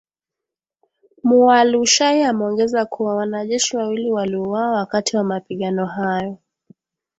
Mualushayi ameongeza kuwa, wanajeshi wawili waliuawa wakati wa mapigano hayo